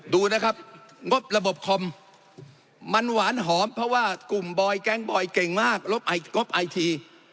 ดูนะครับงบระบบคอมมันหวานหอมเพราะว่ากลุ่มบอยแก๊งบอยเก่งมากลบงบไอที